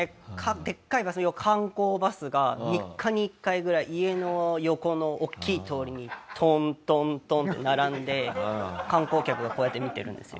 でかいバス観光バスが３日に１回ぐらい家の横の大きい通りにトントントンって並んで観光客がこうやって見てるんですよ。